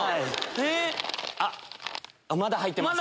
あっまだ入ってます。